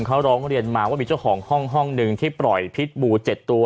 เขาร้องเรียนมาว่ามีเจ้าของห้องห้องหนึ่งที่ปล่อยพิษบู๗ตัว